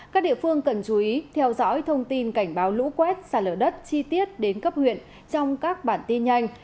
các địa phương cần chú ý theo dõi thông tin cảnh báo lũ quét xả lở đất chi tiết đến cấp huyện trong các bản tin nhanh